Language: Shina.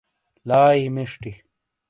لائی مشٹی،